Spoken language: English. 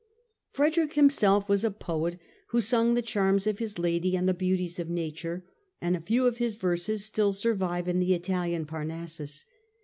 Frederick himself was a poet who sung the charms of his lady and the beauties of nature, and a few of his verses still survive in the Italian Parnassus.